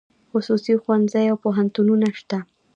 خصوصي ښوونځي او پوهنتونونه شته